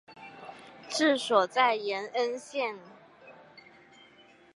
治所在延恩县。